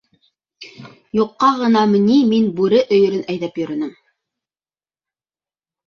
— Юҡҡа ғынамы ни мин бүре өйөрөн әйҙәп йөрөнөм.